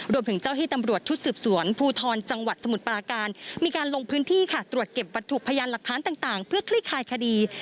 เจ้าที่ตำรวจชุดสืบสวนภูทรจังหวัดสมุทรปราการมีการลงพื้นที่ค่ะตรวจเก็บวัตถุพยานหลักฐานต่างเพื่อคลี่คลายคดี